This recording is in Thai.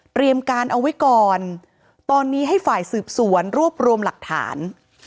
การเอาไว้ก่อนตอนนี้ให้ฝ่ายสืบสวนรวบรวมหลักฐาน